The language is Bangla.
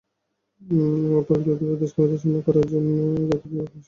পরিকল্পিতভাবে দেশকে মেধাশূন্য করার জন্য জাতির বিবেক শিক্ষকদের হত্যা করা হচ্ছে।